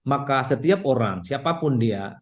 maka setiap orang siapapun dia